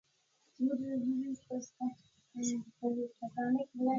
هغه وویل چې د روژې له لارې خپل نفس کابو کوي.